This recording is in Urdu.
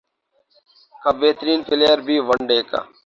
کا بہترین پلئیر بھی ون ڈے کا